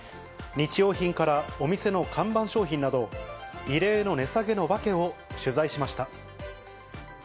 日用品からお店の看板商品など、異例の値下げの訳を取材しました。